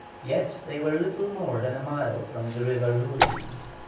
Yet they were little more than a mile from the river Lurin.